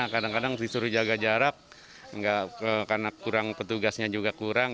kadang kadang disuruh jaga jarak karena kurang petugasnya juga kurang